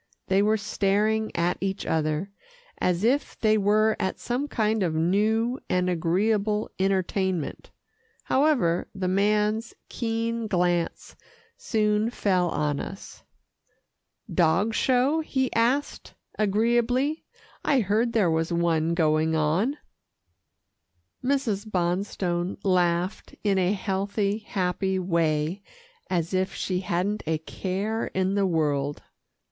They were staring at each other, as if they were at some kind of new and agreeable entertainment. However, the man's keen glance soon fell on us. "Dog show?" he asked agreeably. "I heard there was one going on." Mrs. Bonstone laughed in a healthy, happy way, as if she hadn't a care in the world.